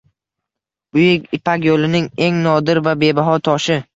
Buyuk Ipak yo‘lining eng nodir va bebaho toshi.